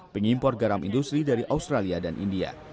pengimpor garam industri dari australia dan india